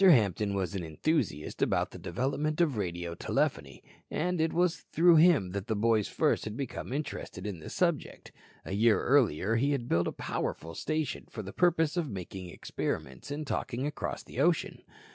Hampton was an enthusiast about the development of radio telephony and it was through him the boys first had become interested in the subject. A year earlier he had built a powerful station for the purpose of making experiments in talking across the ocean.